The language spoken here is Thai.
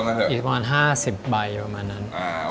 มีอีก๕๐ใบประมาณนั้น